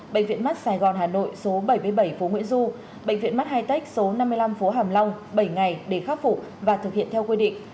bệnh viện mắt sài gòn hà nội số bảy trăm bảy mươi bảy phố nguyễn du bệnh viện mắt hai tách số năm mươi năm phố hàm long bảy ngày để khắc phụ và thực hiện theo quy định